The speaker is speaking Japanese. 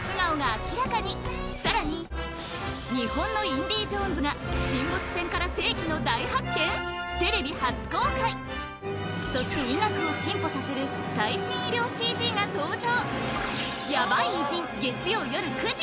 さらに日本のインディ・ジョーンズが沈没船からそして医学を進歩させる最新医療ＣＧが登場！